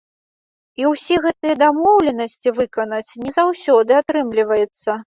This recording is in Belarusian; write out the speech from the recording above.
І ўсе гэтыя дамоўленасці выканаць не заўсёды атрымліваецца.